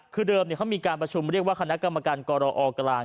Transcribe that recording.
คือเดิมเขามีการประชุมเรียกว่าคณะกรรมการกรอกลาง